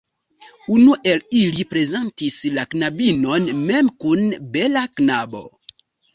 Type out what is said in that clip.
Unu el ili prezentis la knabinon mem kun bela knabo.